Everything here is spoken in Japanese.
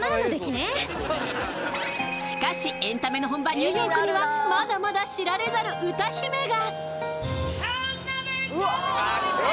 しかし、エンタメの本場ニューヨークにはまだまだ知られざる歌姫が。